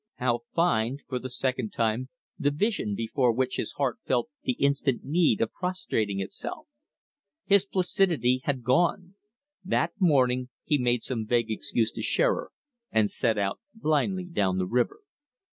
How find for the second time the vision before which his heart felt the instant need of prostrating itself. His placidity had gone. That morning he made some vague excuse to Shearer and set out blindly down the river.